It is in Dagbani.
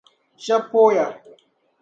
Shɛb’ pooya.